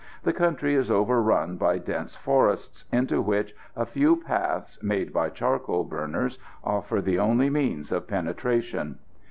The country is overrun by dense forests, into which a few paths, made by charcoal burners, offer the only means of penetration.